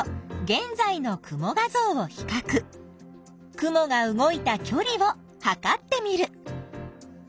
雲が動いたきょりをはかってみる。